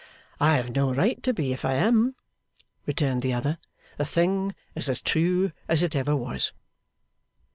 'I have no right to be, if I am,' returned the other. 'The thing is as true as it ever was.